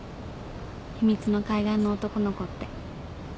秘密の海岸の男の子って。